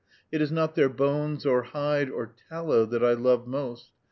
It is not their bones or hide or tallow that I love most.